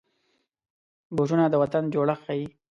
بوټونه د وطن جوړښت ښيي.